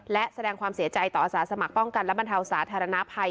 และแสดงความเสียใจต่ออาสาสมัครป้องกันและบรรเทาสาธารณภัย